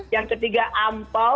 yang ketiga ampau